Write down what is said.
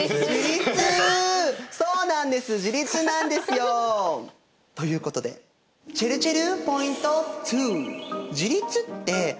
そうなんです自立なんですよ。ということでちぇるちぇるポイント２。